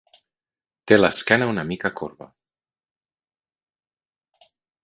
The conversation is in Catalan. Té l'esquena una mica corba.